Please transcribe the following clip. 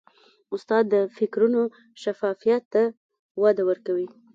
استاد د فکرونو شفافیت ته وده ورکوي.